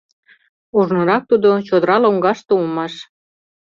Ожнырак тудо чодыра лоҥгаште улмаш.